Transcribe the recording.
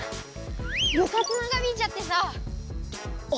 ぶ活長引いちゃってさあれ？